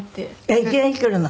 えっいきなり来るの？